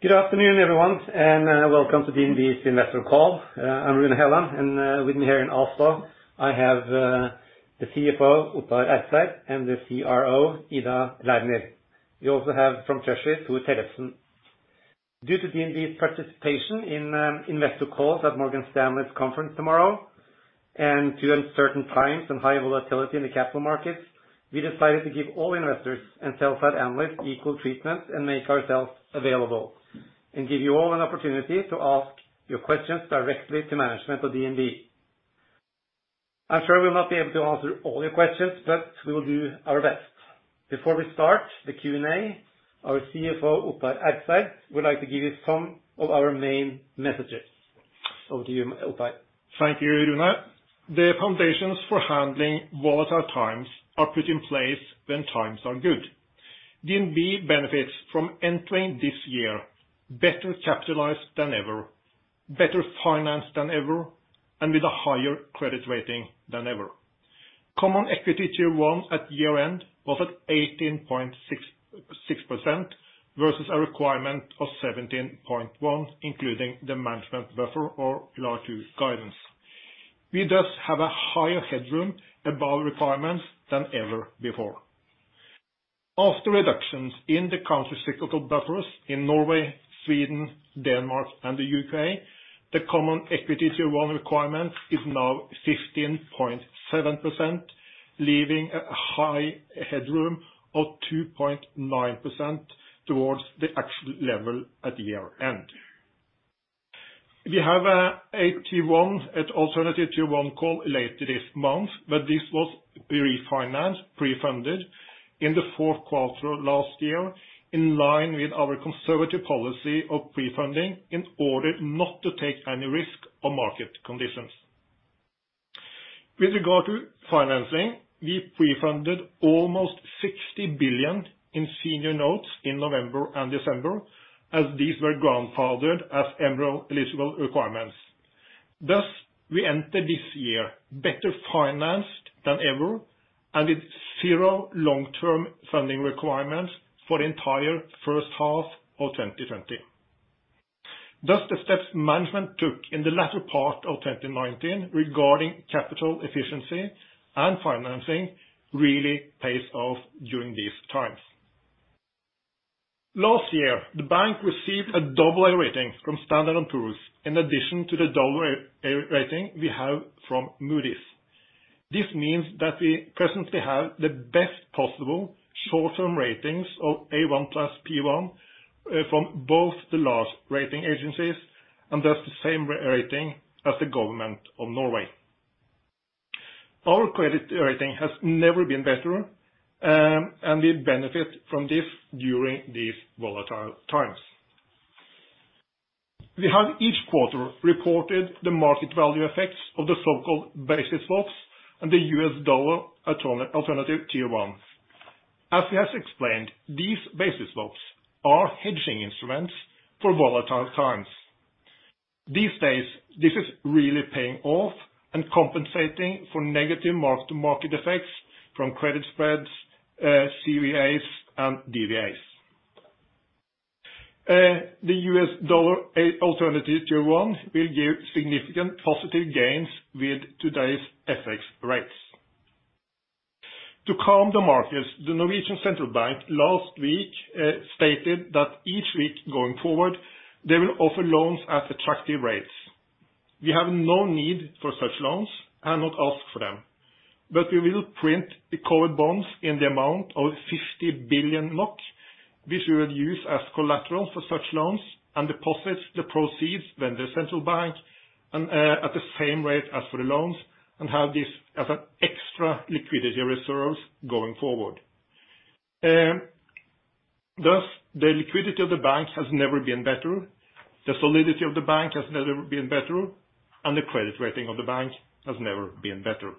Good afternoon, everyone, and welcome to DNB's investor call. I'm Rune Helland, and with me here in Oslo, I have the CFO, Ottar Ertzeid, and the CRO, Ida Lerner. We also have from Treasury, Thor Tellefsen. Due to DNB's participation in investor calls at Morgan Stanley's conference tomorrow, and to uncertain times and high volatility in the capital markets, we decided to give all investors and sell-side analysts equal treatment and make ourselves available, and give you all an opportunity to ask your questions directly to management of DNB. I'm sure we'll not be able to answer all your questions, but we will do our best. Before we start the Q&A, our CFO, Ottar Ertzeid, would like to give you some of our main messages. Over to you, Ottar. Thank you, Rune. The foundations for handling volatile times are put in place when times are good. DNB benefits from entering this year better capitalized than ever, better financed than ever, and with a higher credit rating than ever. Common Equity Tier 1 at year-end was at 18.6% versus a requirement of 17.1%, including the management buffer or LR2 guidance. We thus have a higher headroom above requirements than ever before. After reductions in the countercyclical buffers in Norway, Sweden, Denmark and the U.K., the Common Equity Tier 1 requirement is now 15.7%, leaving a high headroom of 2.9% towards the actual level at year-end. We have an AT1, an alternative Tier 1 call later this month, but this was refinanced, pre-funded in the fourth quarter last year, in line with our conservative policy of pre-funding, in order not to take any risk on market conditions. With regard to financing, we pre-funded almost 60 billion in senior notes in November and December, as these were grandfathered as MREL-eligible requirements. We enter this year better financed than ever and with zero long-term funding requirements for the entire first half of 2020. The steps management took in the latter part of 2019 regarding capital efficiency and financing really pays off during these times. Last year, the bank received a AA rating from Standard & Poor's, in addition to the AA rating we have from Moody's. This means that we presently have the best possible short-term ratings of A-1+ P-1, from both the large rating agencies, and that's the same rating as the government of Norway. Our credit rating has never been better, we benefit from this during these volatile times. We have each quarter reported the market value effects of the so-called basis swaps and the US dollar alternative Tier 1. As we have explained, these basis swaps are hedging instruments for volatile times. These days, this is really paying off and compensating for negative mark-to-market effects from credit spreads, CVAs, and DVAs. The US dollar alternative Tier 1 will give significant positive gains with today's FX rates. To calm the markets, the Norwegian Central Bank last week stated that each week going forward, they will offer loans at attractive rates. We have no need for such loans and not ask for them. We will print the COVID bonds in the amount of 50 billion NOK, which we will use as collateral for such loans, and deposit the proceeds with the Central Bank and at the same rate as for the loans, and have this as an extra liquidity reserve going forward. Thus, the liquidity of the bank has never been better, the solidity of the bank has never been better, and the credit rating of the bank has never been better.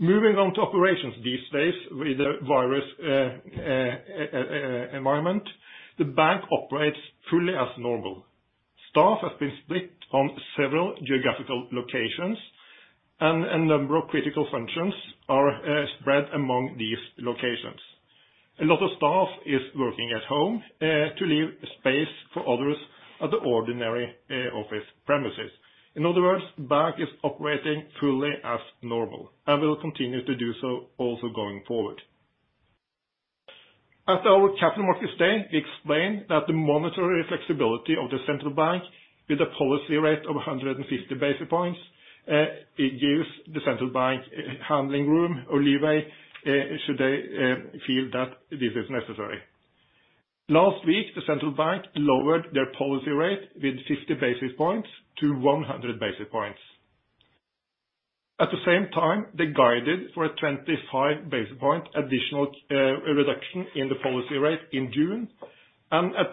Moving on to operations these days with the virus environment, the bank operates fully as normal. Staff have been split on several geographical locations, and a number of critical functions are spread among these locations. A lot of staff is working at home, to leave space for others at the ordinary office premises. In other words, bank is operating fully as normal and will continue to do so also going forward. At our Capital Markets Day, we explained that the monetary flexibility of the Central Bank with a policy rate of 150 basis points, it gives the Central Bank handling room or leeway, should they feel that this is necessary. Last week, the Central Bank lowered their policy rate with 50 basis points to 100 basis points. At the same time, they guided for a 25 basis point additional reduction in the policy rate in June and a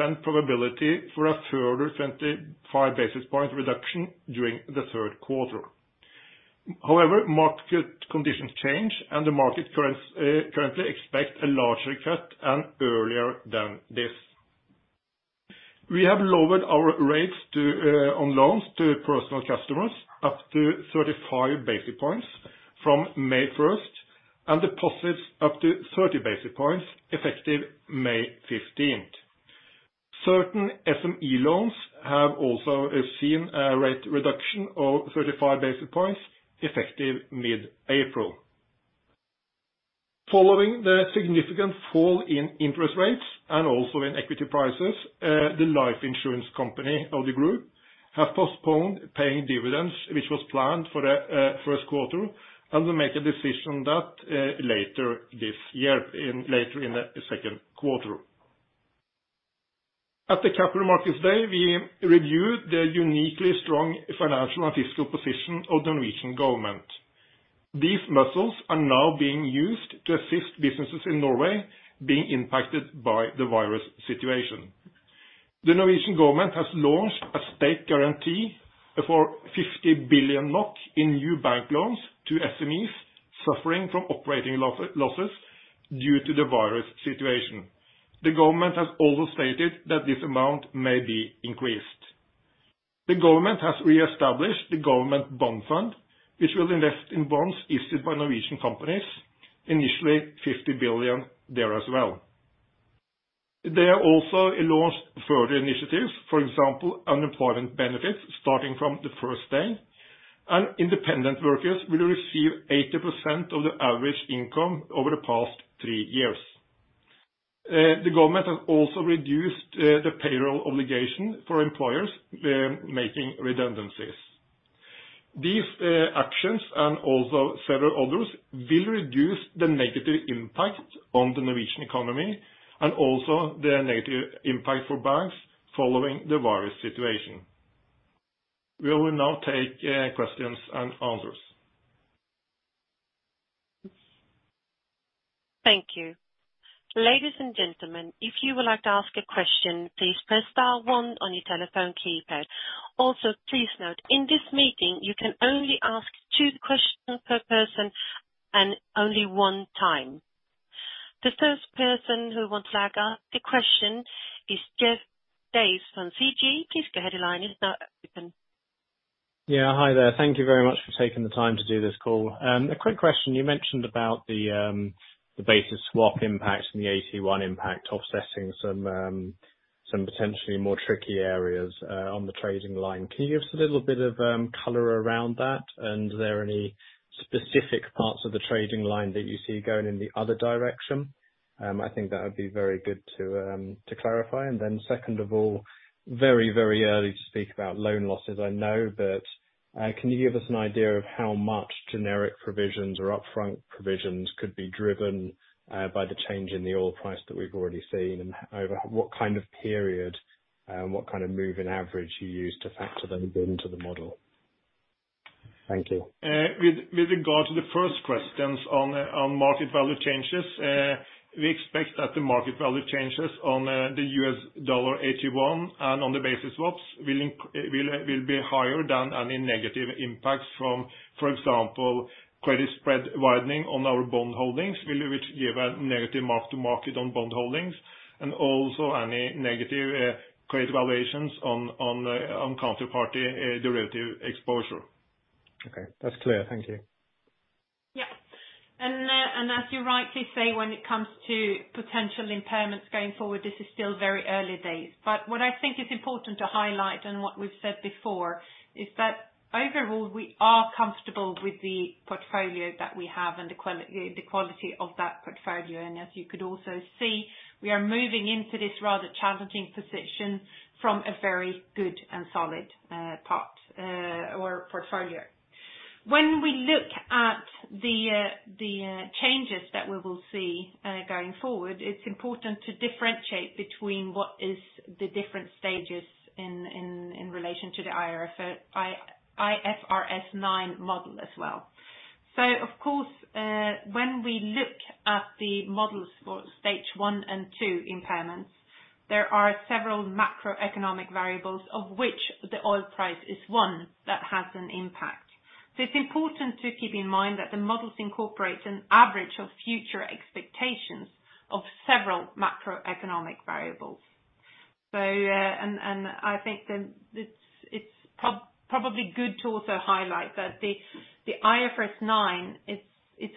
20% probability for a further 25 basis point reduction during the third quarter. However, market conditions change, and the market currently expects a larger cut and earlier than this. We have lowered our rates on loans to personal customers up to 35 basis points from May 1st, and deposits up to 30 basis points effective May 15th. Certain SME loans have also seen a rate reduction of 35 basis points effective mid-April. Following the significant fall in interest rates and also in equity prices, the life insurance company of the group have postponed paying dividends, which was planned for the first quarter, and will make a decision that later this year, later in the second quarter. At the Capital Markets Day, we reviewed the uniquely strong financial and fiscal position of the Norwegian government. These muscles are now being used to assist businesses in Norway being impacted by the virus situation. The Norwegian government has launched a state guarantee for 50 billion NOK in new bank loans to SMEs suffering from operating losses due to the virus situation. The government has also stated that this amount may be increased. The government has reestablished the Government Bond Fund, which will invest in bonds issued by Norwegian companies, initially 50 billion there as well. They have also launched further initiatives, for example, unemployment benefits starting from the first day, and independent workers will receive 80% of the average income over the past three years. The government has also reduced the payroll obligation for employers making redundancies. These actions and also several others will reduce the negative impact on the Norwegian economy and also the negative impact for banks following the virus situation. We will now take questions and answers. Thank you. Ladies and gentlemen, if you would like to ask a question, please press dial one on your telephone keypad. Also, please note, in this meeting, you can only ask two questions per person and only one time. The first person who wants to ask a question is Jeff Davies from CG. Please go ahead. Your line is now open. Hi there. Thank you very much for taking the time to do this call. A quick question. You mentioned about the basis swap impact and the AT1 impact offsetting some potentially more tricky areas on the trading line. Can you give us a little bit of color around that? Are there any specific parts of the trading line that you see going in the other direction? I think that would be very good to clarify. Second of all, very early to speak about loan losses, I know, but can you give us an idea of how much generic provisions or upfront provisions could be driven by the change in the oil price that we've already seen? Over what kind of period and what kind of moving average you use to factor those into the model? Thank you. With regard to the first questions on market value changes, we expect that the market value changes on the US dollar AT1 and on the basis swaps will be higher than any negative impacts from, for example, credit spread widening on our bond holdings, which give a negative mark to market on bond holdings, and also any negative credit valuations on counterparty derivative exposure. Okay. That's clear. Thank you. As you rightly say, when it comes to potential impairments going forward, this is still very early days. What I think is important to highlight and what we've said before is that overall, we are comfortable with the portfolio that we have and the quality of that portfolio. As you could also see, we are moving into this rather challenging position from a very good and solid part or portfolio. When we look at the changes that we will see going forward, it's important to differentiate between what is the different stages in relation to the IFRS 9 model as well. Of course, when we look at the models for stage one and two impairments, there are several macroeconomic variables of which the oil price is one that has an impact. It's important to keep in mind that the models incorporate an average of future expectations of several macroeconomic variables. I think that it's probably good to also highlight that the IFRS 9, it's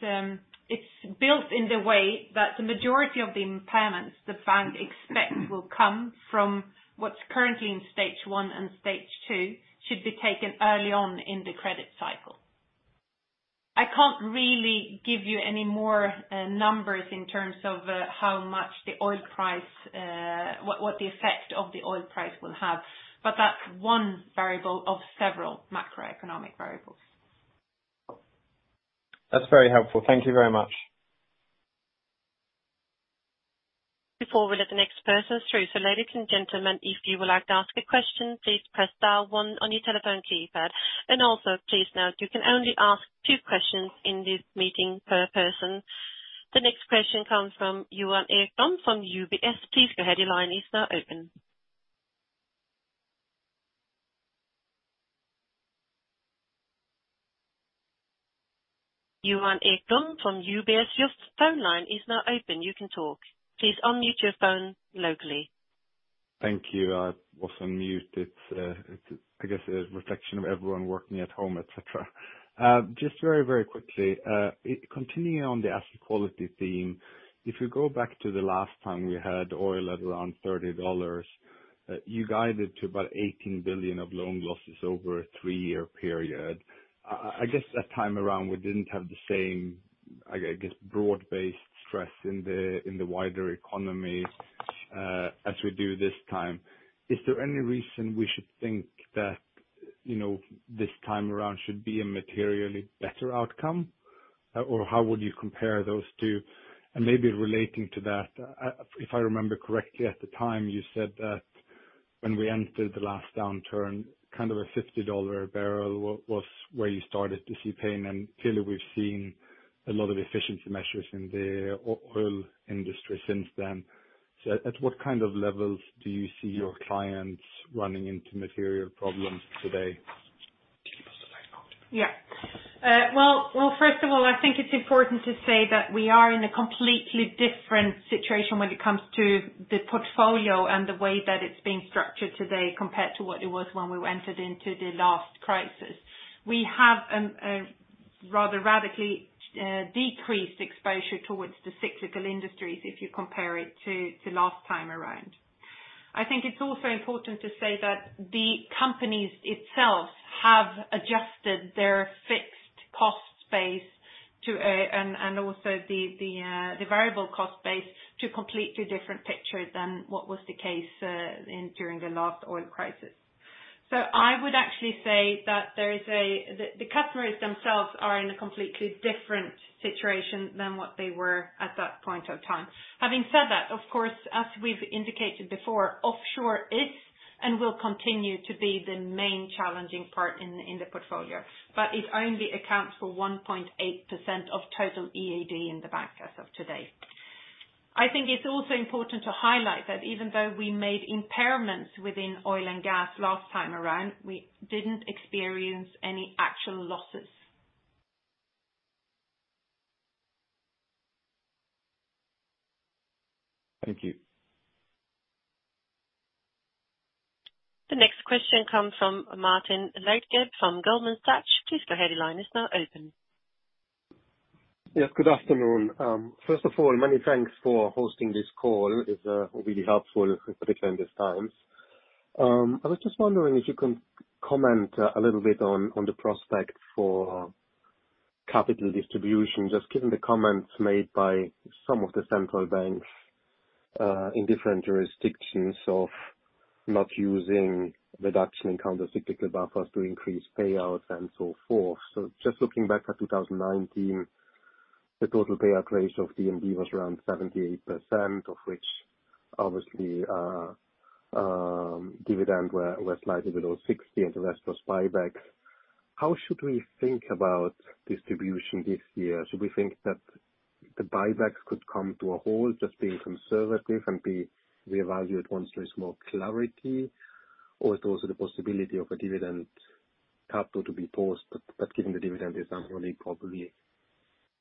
built in the way that the majority of the impairments the bank expects will come from what's currently in stage 1 and stage 2, should be taken early on in the credit cycle. I can't really give you any more numbers in terms of what the effect of the oil price will have, but that's one variable of several macroeconomic variables. That's very helpful. Thank you very much. Before we let the next person through. Ladies and gentlemen, if you would like to ask a question, please press dial one on your telephone keypad. Please note, you can only ask two questions in this meeting per person. The next question comes from Johan Ekblom from UBS. Please go ahead. Your line is now open. Johan Ekblom from UBS, your phone line is now open. You can talk. Please unmute your phone locally. Thank you. I was on mute. It's, I guess, a reflection of everyone working at home, et cetera. Just very quickly, continuing on the asset quality theme, if you go back to the last time we had oil at around NOK 30, you guided to about 18 billion of loan losses over a three-year period. I guess that time around we didn't have the same broad-based stress in the wider economy, as we do this time. Is there any reason we should think that this time around should be a materially better outcome? How would you compare those two? Maybe relating to that, if I remember correctly, at the time you said that when we entered the last downturn, kind of a NOK 50 barrel was where you started to see pain. Clearly we've seen a lot of efficiency measures in the oil industry since then. At what kind of levels do you see your clients running into material problems today? Well, first of all, I think it's important to say that we are in a completely different situation when it comes to the portfolio and the way that it's being structured today compared to what it was when we entered into the last crisis. We have rather radically decreased exposure towards the cyclical industries if you compare it to last time around. I think it's also important to say that the companies themselves have adjusted their fixed cost base and also the variable cost base to a completely different picture than what was the case during the last oil crisis. I would actually say that the customers themselves are in a completely different situation than what they were at that point of time. Having said that, of course, as we've indicated before, offshore is and will continue to be the main challenging part in the portfolio, but it only accounts for 1.8% of total EAD in the bank as of today. I think it's also important to highlight that even though we made impairments within oil and gas last time around, we didn't experience any actual losses. Thank you. The next question comes from Martin Leitgeb from Goldman Sachs. Please go ahead, your line is now open. Yes, good afternoon. First of all, many thanks for hosting this call. It is really helpful, particularly in these times. I was just wondering if you can comment a little bit on the prospect for capital distribution, just given the comments made by some of the central banks, in different jurisdictions of not using reduction in countercyclical buffers to increase payouts and so forth? Just looking back at 2019, the total payout ratio of DNB was around 78%, of which obviously, dividend were slightly below 60% and the rest was buybacks. How should we think about distribution this year? Should we think that the buybacks could come to a halt, just being conservative and be reevaluated once there is more clarity? Is also the possibility of a dividend capital to be paused, but given the dividend example, probably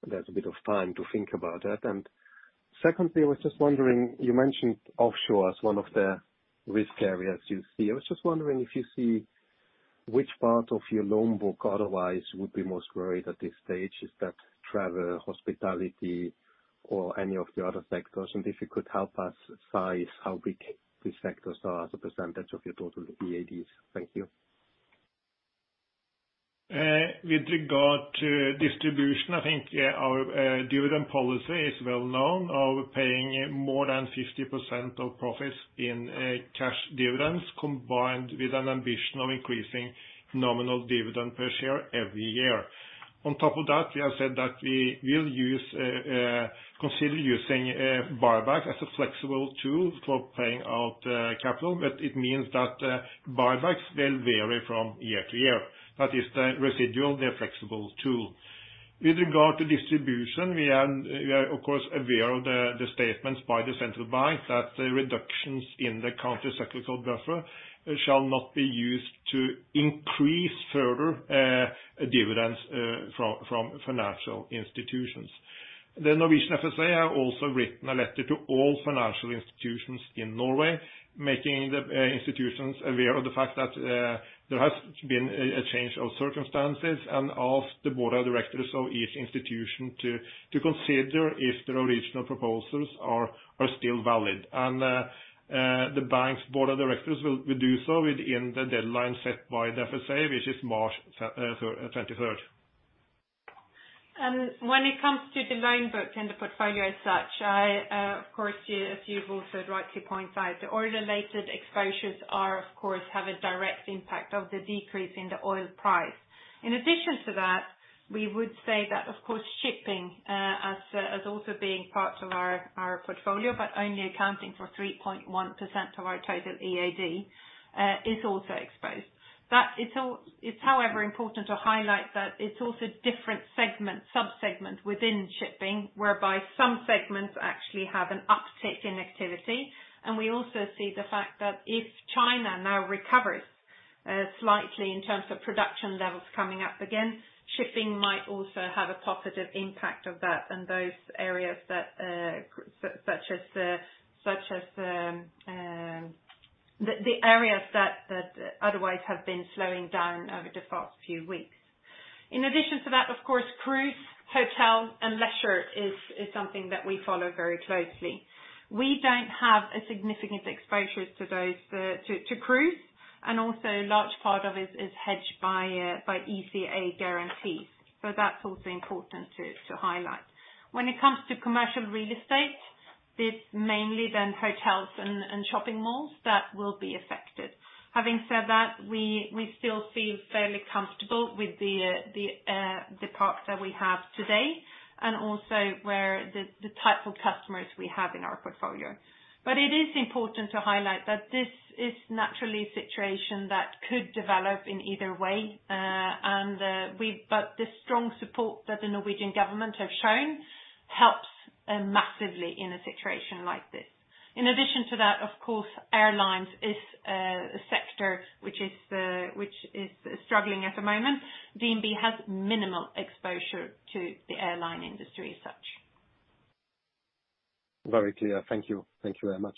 there is a bit of time to think about that? Secondly, I was just wondering, you mentioned offshore as one of the risk areas you see. I was just wondering if you see which part of your loan book otherwise you would be most worried at this stage. Is that travel, hospitality, or any of the other sectors? If you could help us size how big these sectors are as a % of your total EADs. Thank you. With regard to distribution, I think our dividend policy is well known. We're paying more than 50% of profits in cash dividends, combined with an ambition of increasing nominal dividend per share every year. On top of that, we have said that we will consider using buyback as a flexible tool for paying out capital, but it means that buybacks will vary from year to year. That is the residual, the flexible tool. With regard to distribution, we are of course aware of the statements by the central bank that the reductions in the countercyclical buffer shall not be used to increase further dividends from financial institutions. The Norwegian FSA have also written a letter to all financial institutions in Norway, making the institutions aware of the fact that there has been a change of circumstances and ask the board of directors of each institution to consider if their original proposals are still valid. The bank's board of directors will do so within the deadline set by the FSA, which is March 23rd. When it comes to the loan book and the portfolio as such, of course, as you've also rightly pointed out, the oil-related exposures, of course, have a direct impact of the decrease in the oil price. In addition to that, we would say that, of course, shipping as also being part of our portfolio, but only accounting for 3.1% of our total EAD, is also exposed. It is however important to highlight that it is also different segments, sub-segments within shipping, whereby some segments actually have an uptick in activity. We also see the fact that if China now recovers slightly in terms of production levels coming up again. Shipping might also have a positive impact of that on the areas that otherwise have been slowing down over the past few weeks. In addition to that, of course, cruise, hotel, and leisure is something that we follow very closely. We don't have a significant exposure to cruise, also a large part of it is hedged by ECA guarantees. That's also important to highlight. When it comes to commercial real estate, it's mainly then hotels and shopping malls that will be affected. Having said that, we still feel fairly comfortable with the products that we have today and also the type of customers we have in our portfolio. It is important to highlight that this is naturally a situation that could develop in either way. The strong support that the Norwegian government have shown helps massively in a situation like this. In addition to that, of course, airlines is a sector which is struggling at the moment. DNB has minimal exposure to the airline industry as such. Very clear. Thank you. Thank you very much.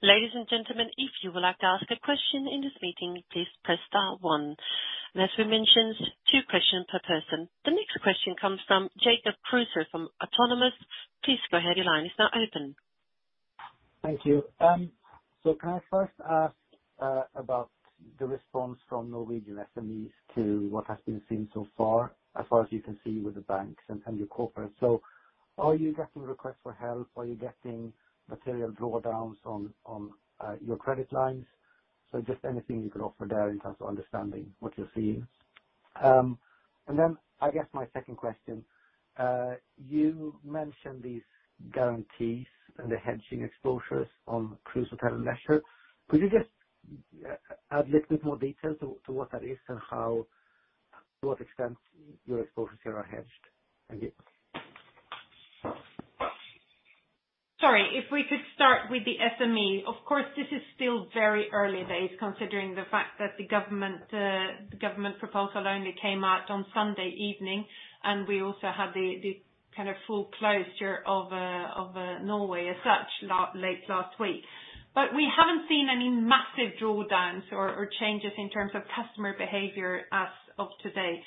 Ladies and gentlemen, if you would like to ask a question in this meeting, please press star one. As we mentioned, two questions per person. The next question comes from Jacob Kruse from Autonomous. Please go ahead. Your line is now open. Thank you. Can I first ask about the response from Norwegian SMEs to what has been seen so far, as far as you can see with the banks and your corporate? Are you getting requests for help? Are you getting material drawdowns on your credit lines? Just anything you can offer there in terms of understanding what you're seeing. Then, I guess my second question, you mentioned these guarantees and the hedging exposures on cruise, hotel, and leisure. Could you just add a little bit more detail to what that is and to what extent your exposures here are hedged? Thank you. Sorry. If we could start with the SME. Of course, this is still very early days considering the fact that the government proposal only came out on one Sunday evening, and we also had the full closure of Norway as such late last week. We haven't seen any massive drawdowns or changes in terms of customer behavior as of today.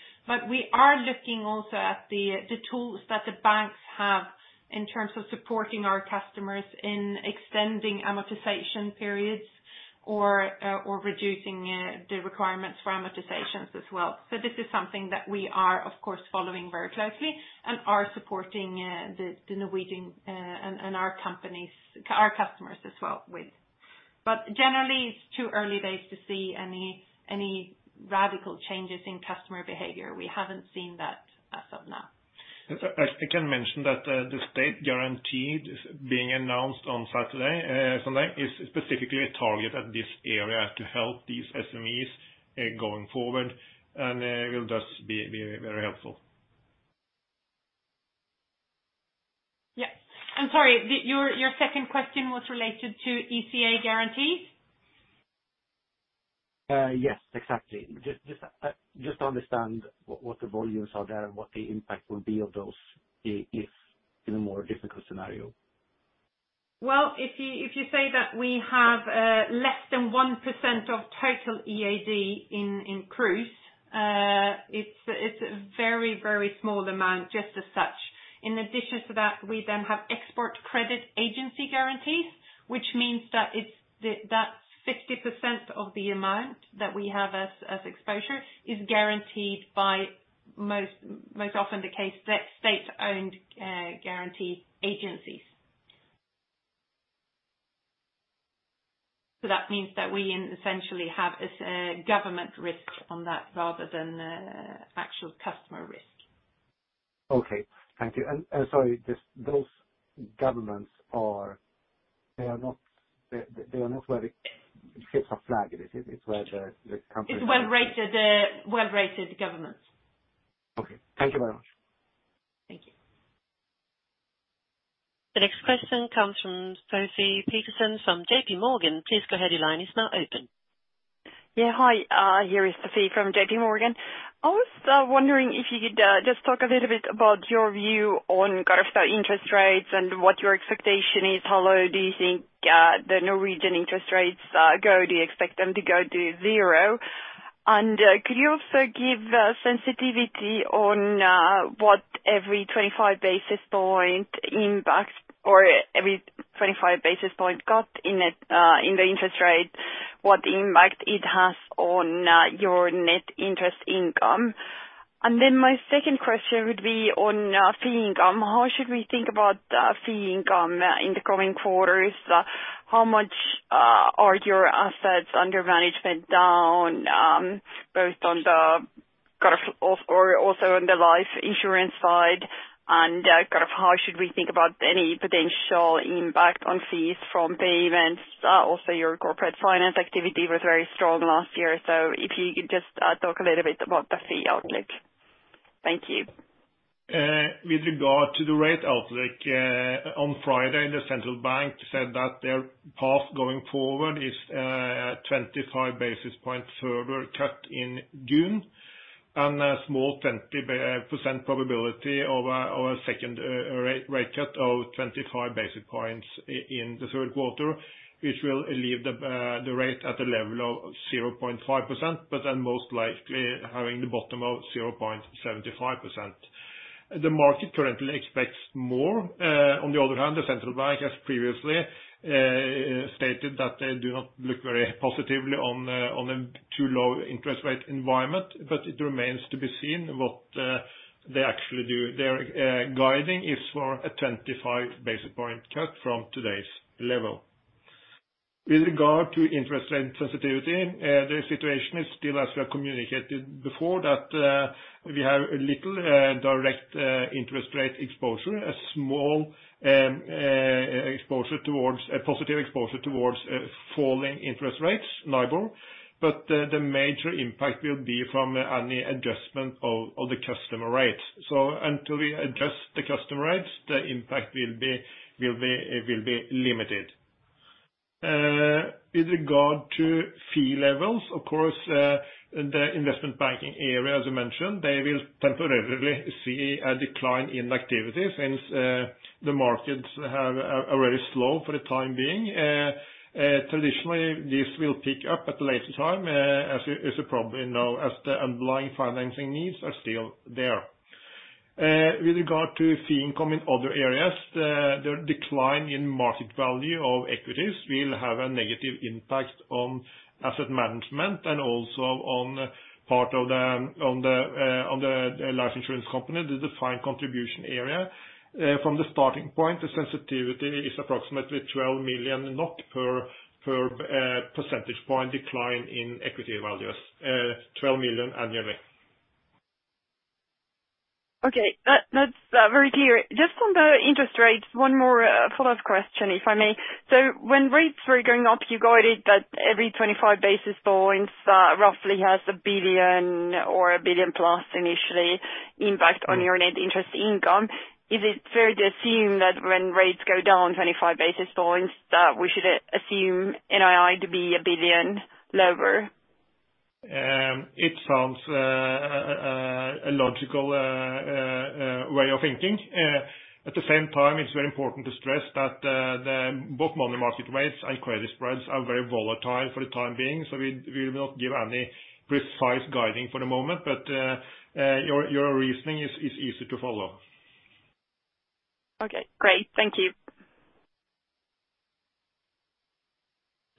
We are looking also at the tools that the banks have in terms of supporting our customers in extending amortization periods or reducing the requirements for amortizations as well. This is something that we are, of course, following very closely and are supporting the Norwegian and our customers as well with. Generally, it's too early days to see any radical changes in customer behavior. We haven't seen that as of now. I can mention that the state guarantees being announced on Sunday is specifically targeted at this area to help these SMEs going forward, and it will just be very helpful. Yeah. I'm sorry, your second question was related to ECA guarantees? Yes, exactly. Just to understand what the volumes are there and what the impact will be of those if in a more difficult scenario. Well, if you say that we have less than 1% of total EAD in cruise, it's a very small amount just as such. In addition to that, we then have export credit agency guarantees, which means that 50% of the amount that we have as exposure is guaranteed by most often the case, state-owned guarantee agencies. That means that we essentially have a government risk on that rather than actual customer risk. Okay. Thank you. Sorry, those governments, they are not where the ship has flagged. It's where the company- It's well-rated governments. Okay. Thank you very much. Thank you. The next question comes from Sofie Peterzens from JPMorgan. Please go ahead. Your line is now open. Yeah. Hi, here is Sofie from JPMorgan. I was wondering if you could just talk a little bit about your view on interest rates and what your expectation is, how low do you think the Norwegian interest rates go? Do you expect them to go to zero? Could you also give sensitivity on what every 25 basis point impacts or every 25 basis point cut in the interest rate, what impact it has on your net interest income? My second question would be on fee income. How should we think about fee income in the coming quarters? How much are your assets under management down, both on the growth or also on the life insurance side, and how should we think about any potential impact on fees from payments? Your corporate finance activity was very strong last year, so if you could just talk a little bit about the fee outlook. Thank you. With regard to the rate outlook, on Friday, the central bank said that their path going forward is a 25 basis point further cut in June, and a small 20% probability of a second rate cut of 25 basis points in the third quarter, which will leave the rate at the level of 0.5%, but then most likely having the bottom of 0.75%. The market currently expects more. On the other hand, the central bank has previously stated that they do not look very positively on a too low interest rate environment, but it remains to be seen what they actually do. Their guiding is for a 25 basis point cut from today's level. With regard to interest rate sensitivity, the situation is still as we have communicated before, that we have little direct interest rate exposure. A small positive exposure towards falling interest rates, NIBOR, but the major impact will be from any adjustment of the customer rates. Until we adjust the customer rates, the impact will be limited. With regard to fee levels, of course, the investment banking area, as you mentioned, they will temporarily see a decline in activities since the markets are very slow for the time being. Traditionally, this will pick up at a later time, as you probably know, as the underlying financing needs are still there. With regard to fee income in other areas, the decline in market value of equities will have a negative impact on asset management and also on the life insurance company, the defined contribution area. From the starting point, the sensitivity is approximately 12 million NOK per 1 percentage point decline in equity values. 12 million annually. Okay, that's very clear. Just on the interest rates, one more follow-up question, if I may. When rates were going up, you guided that every 25 basis points roughly has 1 billion or a 1 billion plus initially impact on your net interest income. Is it fair to assume that when rates go down 25 basis points, that we should assume NII to be 1 billion lower? It sounds a logical way of thinking. At the same time, it's very important to stress that both money market rates and credit spreads are very volatile for the time being. We will not give any precise guiding for the moment. Your reasoning is easy to follow. Okay, great. Thank you.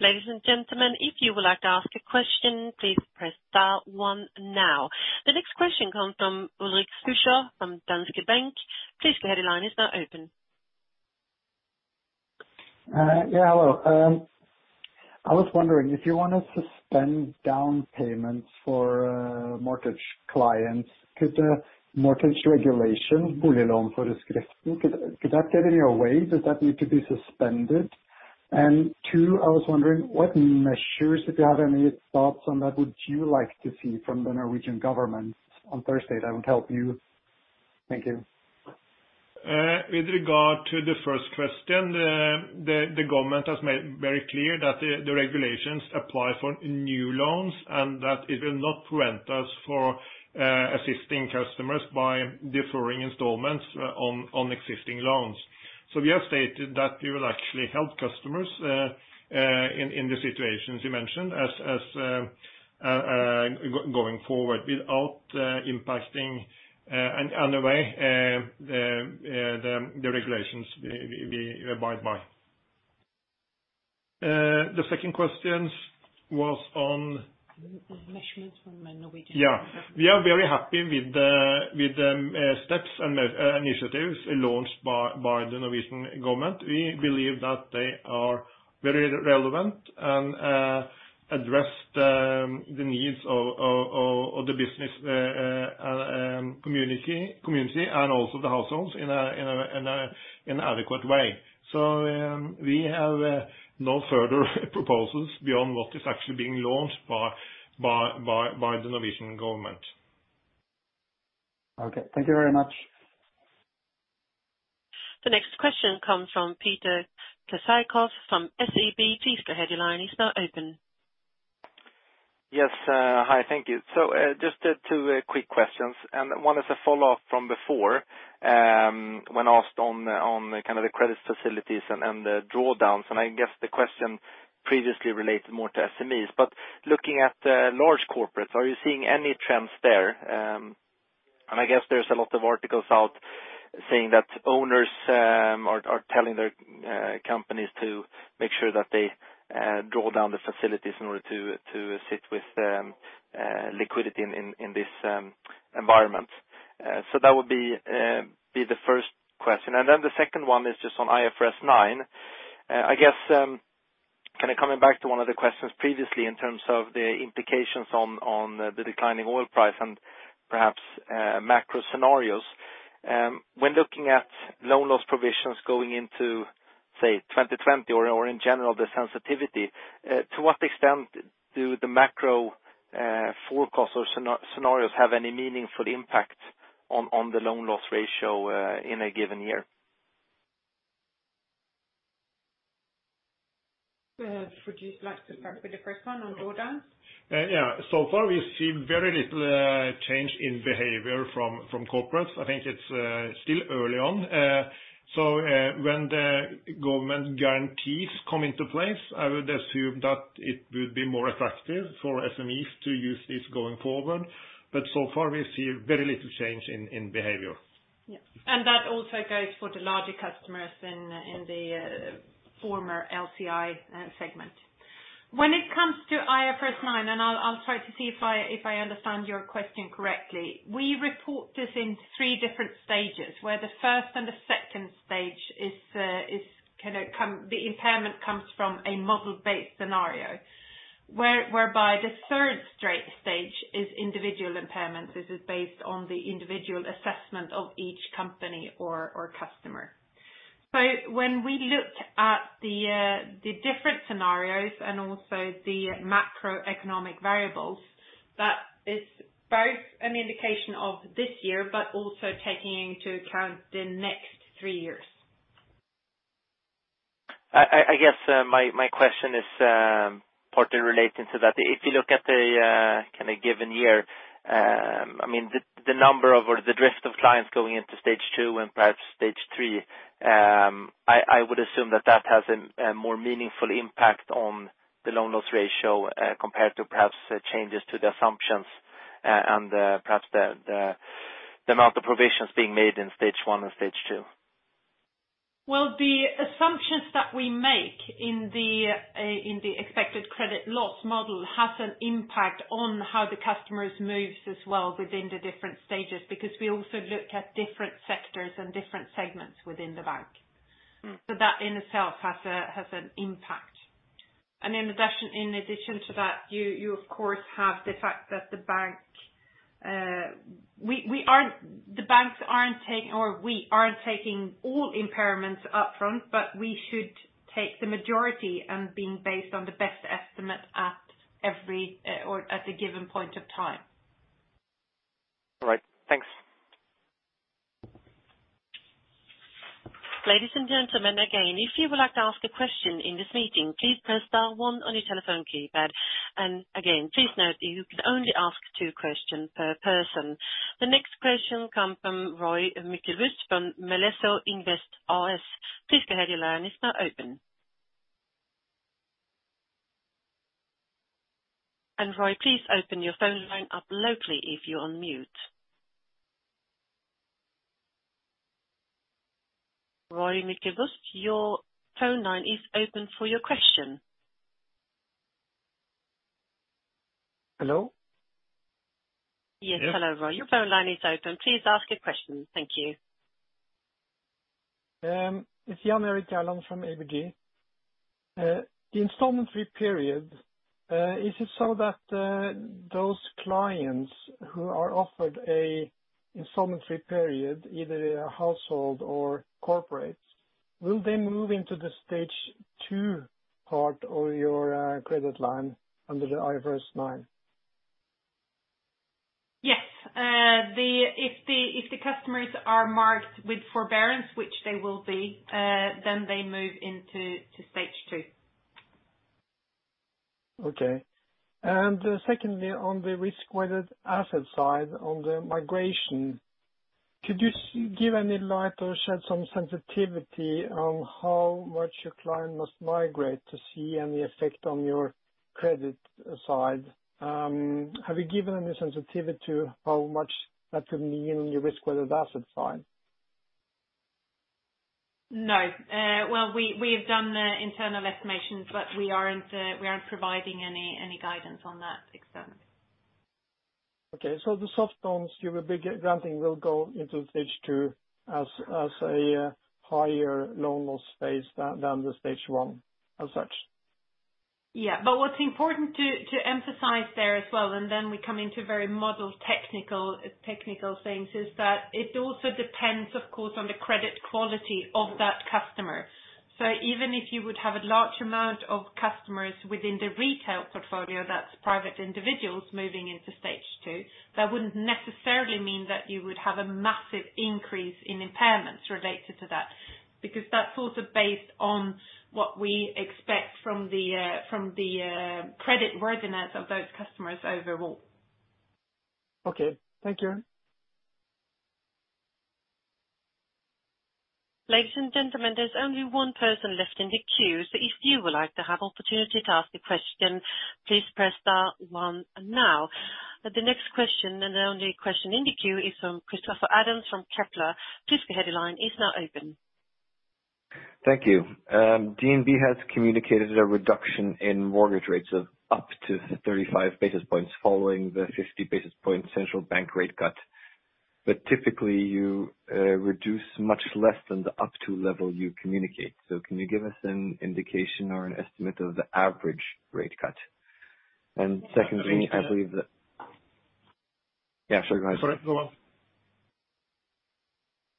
Ladies and gentlemen, if you would like to ask a question, please press dial one now. The next question comes from Ulrik Fuchser of Danske Bank. Please go ahead, your line is now open. Yeah, hello. I was wondering if you want to suspend down payments for mortgage clients, Could that get in your way? Does that need to be suspended? Two, I was wondering what measures, if you have any thoughts on that, would you like to see from the Norwegian government on Thursday that would help you? Thank you. With regard to the first question, the government has made very clear that the regulations apply for new loans and that it will not prevent us for assisting customers by deferring installments on existing loans. We have stated that we will actually help customers, in the situations you mentioned, going forward without impacting in any way the regulations we abide by. Measurements from a Norwegian government. Yeah. We are very happy with the steps and initiatives launched by the Norwegian government. We believe that they are very relevant and address the needs of the business community and also the households in an adequate way. We have no further proposals beyond what is actually being launched by the Norwegian government. Okay. Thank you very much. The next question comes from Peter Kessiakoff from SEB. Please go ahead, your line is now open. Yes. Hi, thank you. Just two quick questions, and one is a follow-up from before, when asked on the credit facilities and the drawdowns. I guess the question previously related more to SMEs. Looking at large corporates, are you seeing any trends there? I guess there's a lot of articles out saying that owners are telling their companies to make sure that they draw down the facilities in order to sit with liquidity in this environment. That would be the first question. The second one is just on IFRS 9. I guess, coming back to one of the questions previously in terms of the implications on the declining oil price and perhaps macro scenarios. When looking at loan loss provisions going into, say, 2020 or in general the sensitivity, to what extent do the macro forecasts or scenarios have any meaningful impact on the loan loss ratio in a given year? Would you like to start with the first one on drawdown? So far we've seen very little change in behavior from corporates. I think it's still early on. When the government guarantees come into place, I would assume that it would be more attractive for SMEs to use this going forward. So far we see very little change in behavior. That also goes for the larger customers in the former LCI segment. When it comes to IFRS 9, I'll try to see if I understand your question correctly, we report this in three different stages, where the first and the second stage the impairment comes from a model-based scenario. Whereby the third stage is individual impairment. This is based on the individual assessment of each company or customer. When we looked at the different scenarios and also the macroeconomic variables, that is both an indication of this year but also taking into account the next three years. I guess my question is partly relating to that. If you look at a given year, the number of, or the drift of clients going into stage 2 and perhaps stage 3, I would assume that that has a more meaningful impact on the loan loss ratio compared to perhaps changes to the assumptions and perhaps the amount of provisions being made in stage one and stage two. The assumptions that we make in the Expected Credit Loss model has an impact on how the customers moves as well within the different stages, because we also look at different sectors and different segments within the bank. That in itself has an impact. In addition to that, you of course have the fact that the banks aren't taking, or we aren't taking all impairments up front, but we should take the majority and being based on the best estimate at a given point of time. All right. Thanks. Ladies and gentlemen, again, if you would like to ask a question in this meeting, please press star one on your telephone keypad. Again, please note that you can only ask two question per person. The next question come from Roy Myklebust from Melesio Invest AS. Please go ahead, your line is now open. Roy, please open your phone line up locally if you're on mute. Roy Myklebust, your phone line is open for your question. Hello? Yes. Hello, Roy. Your phone line is open. Please ask a question. Thank you. It's Jan Erik Gjerland from ABG. The installment free period, is it so that those clients who are offered a installment free period, either household or corporates, will they move into the stage two part of your credit line under the IFRS 9? Yes. If the customers are marked with forbearance, which they will be, then they move into stage 2. Okay. Secondly, on the risk-weighted asset side on the migration, could you give any light or shed some sensitivity on how much a client must migrate to see any effect on your credit side? Have you given any sensitivity to how much that could mean on your risk-weighted asset side? No. Well, we've done the internal estimations, but we aren't providing any guidance on that extent. Okay. The soft loans you will be granting will go into stage two as a higher loan loss phase than the stage 1 as such? What's important to emphasize there as well, and then we come into very model technical things, is that it also depends of course, on the credit quality of that customer. Even if you would have a large amount of customers within the retail portfolio, that's private individuals moving into stage two, that wouldn't necessarily mean that you would have a massive increase in impairments related to that, because that's also based on what we expect from the credit worthiness of those customers overall. Okay. Thank you. Ladies and gentlemen, there's only one person left in the queue, so if you would like to have opportunity to ask a question, please press star one now. The next question and the only question in the queue is from Christoffer Adams from Kepler. Please go ahead, your line is now open. Thank you. DNB has communicated a reduction in mortgage rates of up to 35 basis points following the 50 basis point central bank rate cut. Typically you reduce much less than the up to level you communicate. Can you give us an indication or an estimate of the average rate cut? Sorry, go on.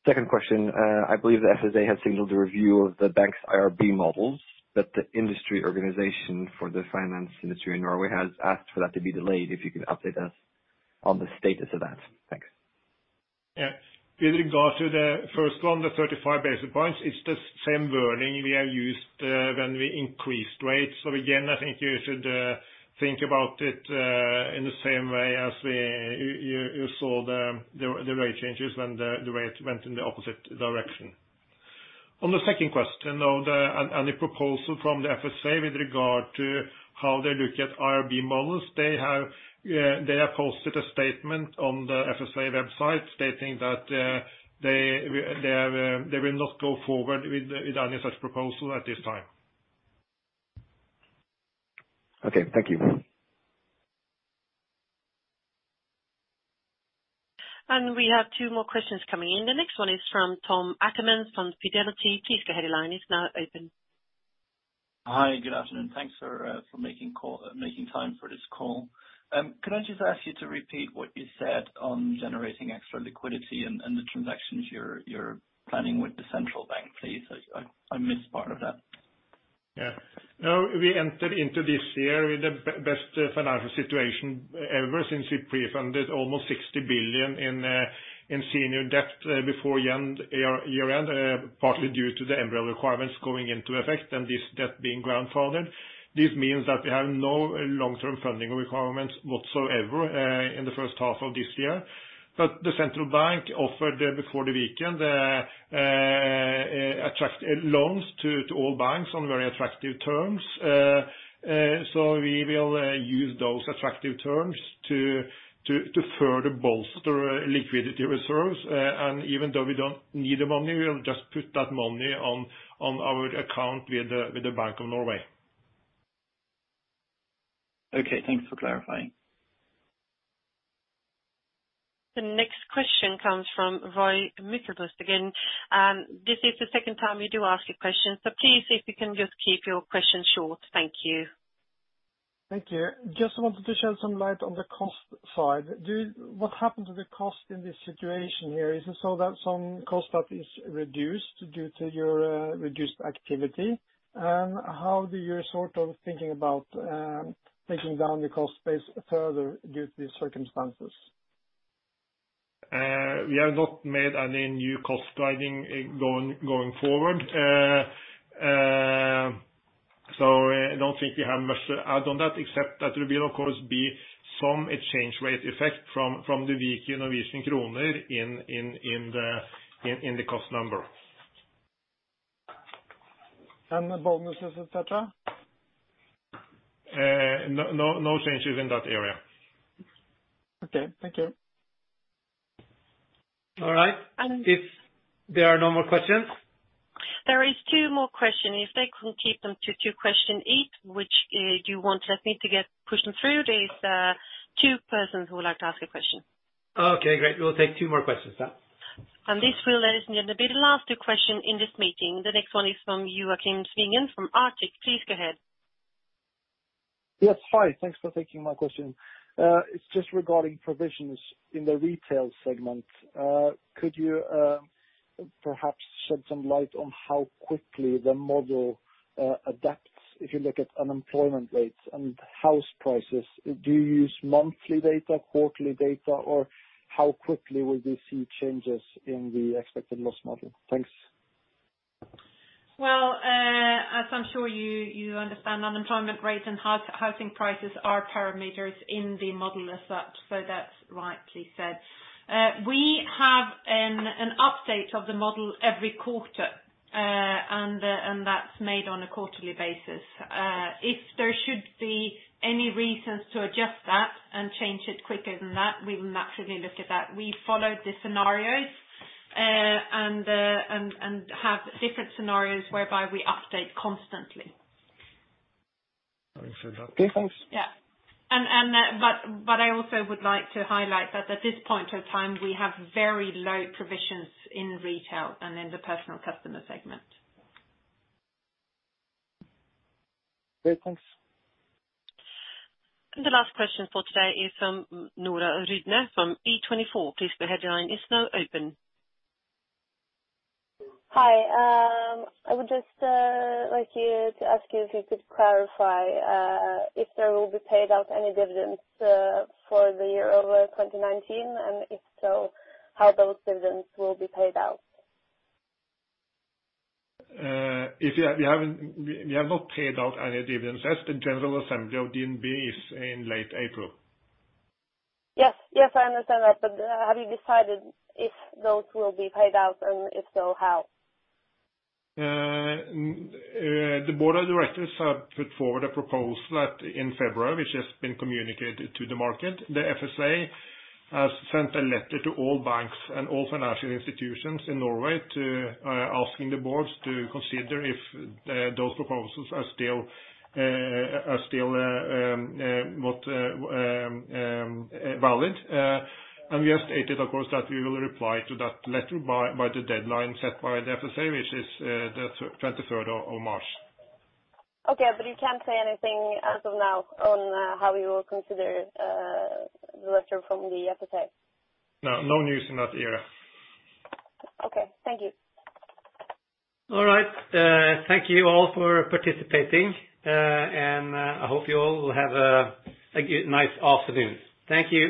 Second question. I believe the FSA has signaled a review of the bank's IRB models that the industry organization for the finance ministry in Norway has asked for that to be delayed. If you can update us on the status of that. Thanks. Yeah. With regard to the first one, the 35 basis points, it's the same wording we have used when we increased rates. Again, I think you should think about it in the same way as you saw the rate changes when the rate went in the opposite direction. On the second question, on the proposal from the FSA with regard to how they look at IRB models, they have posted a statement on the FSA website stating that they will not go forward with any such proposal at this time. Okay. Thank you. We have two more questions coming in. The next one is from Thomas Ackerman from Fidelity. Please go ahead. Your line is now open. Hi. Good afternoon. Thanks for making time for this call. Could I just ask you to repeat what you said on generating extra liquidity and the transactions you're planning with the central bank, please? I missed part of that. Yeah. We entered into this year with the best financial situation ever since we pre-funded almost 60 billion in senior debt before year-end, partly due to the MREL requirements going into effect and this debt being grandfathered. This means that we have no long-term funding requirements whatsoever in the first half of this year. The Bank of Norway offered before the weekend loans to all banks on very attractive terms. We will use those attractive terms to further bolster liquidity reserves. Even though we don't need the money, we'll just put that money on our account with the Bank of Norway. Okay. Thanks for clarifying. The next question comes from Roy Mittelbus again. This is the second time you do ask a question, so please, if you can just keep your question short. Thank you. Thank you. Just wanted to shed some light on the cost side. What happened to the cost in this situation here? Is it so that some cost that is reduced due to your reduced activity? How do you sort of thinking about taking down the cost base further due to these circumstances? We have not made any new cost guiding going forward. I don't think we have much to add on that, except that there will, of course, be some exchange rate effect from the weakening of Norwegian kroner in the cost number. The bonuses, et cetera? No changes in that area. Okay. Thank you. All right. If there are no more questions. There is two more questions, if they could keep them to two questions each. Which do you want to let me to get question through? There is two persons who would like to ask a question. Okay, great. We'll take two more questions then. This will then be the last two question in this meeting. The next one is from you, Joachim Svenning from Arctic. Please go ahead. Yes. Hi. Thanks for taking my question. It's just regarding provisions in the retail segment. Could you perhaps shed some light on how quickly the model adapts if you look at unemployment rates and house prices? Do you use monthly data, quarterly data, or how quickly will we see changes in the expected loss model? Thanks. Well, as I'm sure you understand, unemployment rates and housing prices are parameters in the model as such, so that's rightly said. We have an update of the model every quarter, and that's made on a quarterly basis. If there should be any reasons to adjust that and change it quicker than that, we will naturally look at that. We follow the scenarios and have different scenarios whereby we update constantly. Thanks for that. Okay, thanks. Yeah. I also would like to highlight that at this point of time, we have very low provisions in retail and in the personal customer segment. Okay, thanks. The last question for today is from Nora Rydne from E24. Please, the headline is now open. Hi. I would just like to ask you if you could clarify if there will be paid out any dividends for the year over 2019, and if so, how those dividends will be paid out? We have not paid out any dividends as the general assembly of DNB is in late April. Yes, I understand that. Have you decided if those will be paid out, and if so, how? The board of directors have put forward a proposal in February, which has been communicated to the market. The FSA has sent a letter to all banks and all financial institutions in Norway asking the boards to consider if those proposals are still valid. We have stated, of course, that we will reply to that letter by the deadline set by the FSA, which is the 23rd of March. Okay. You can't say anything as of now on how you will consider the letter from the FSA? No. No news in that area. Okay. Thank you. All right. Thank you all for participating. I hope you all will have a nice afternoon. Thank you